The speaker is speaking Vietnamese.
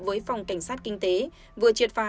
với phòng cảnh sát kinh tế vừa triệt phá